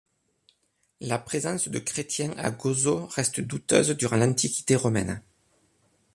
La présence de Chrétiens à Gozo reste douteuse durant l'antiquité romaine.